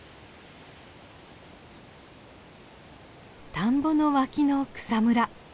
田んぼの脇の草むら。